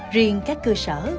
riêng các cơ sở